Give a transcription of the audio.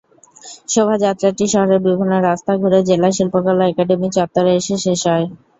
শোভাযাত্রাটি শহরের বিভিন্ন রাস্তা ঘুরে জেলা শিল্পকলা একাডেমি চত্বরে এসে শেষ হয়।